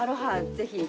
ぜひ！